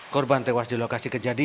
korban tewas di lokasi kejadian